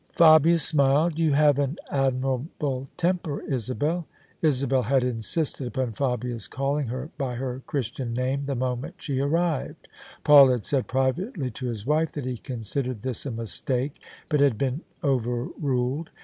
THE SUBJECTION Fabia smfled. " You have an admirable temper, Isabel," Isabel had insisted upon Fabia*s calling her by her Chris tian name the moment she arrived. Paul had said privately to his wife that he considered this a mistake, but had been overruled.